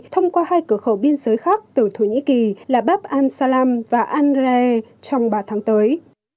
thông qua hai cửa khẩu biên giới khác từ thổ nhĩ kỳ là bab al salam và al re trong ba tháng tới